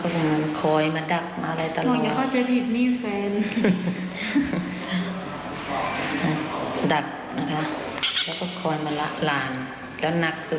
ดึกดึกก็มานะคะ